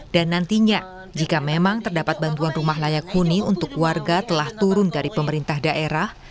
dan nantinya jika memang terdapat bantuan rumah layak huni untuk warga telah turun dari pemerintah daerah